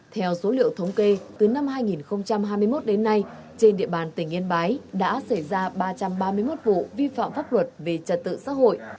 theo số liệu thống kê từ năm hai nghìn hai mươi một đến nay trên địa bàn tỉnh yên bái đã xảy ra ba trăm ba mươi một vụ vi phạm pháp luật về trật tự xã hội